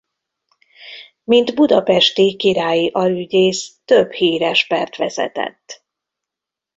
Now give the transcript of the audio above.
Mint budapesti királyi alügyész több híres pert vezetett.